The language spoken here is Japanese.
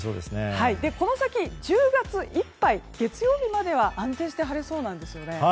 この先、１０月いっぱい月曜日までは安定して晴れそうなんですね。